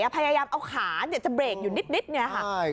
พยายามเอาขาจะเปรกอยู่นิดอย่างนี้